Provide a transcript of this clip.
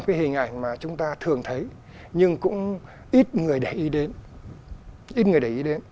xin chúc mừng tác giả ạ